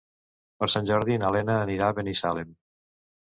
Per Sant Jordi na Lena anirà a Binissalem.